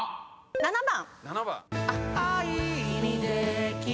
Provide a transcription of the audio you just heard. ７番。